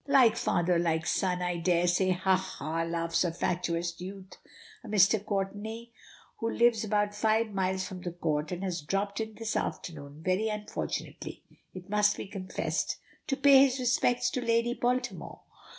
"Like father, like son, I daresay. Ha, ha!" laughs a fatuous youth a Mr. Courtenay who lives about five miles from the Court, and has dropped in this afternoon, very unfortunately, it must be confessed, to pay his respects to Lady Baltimore.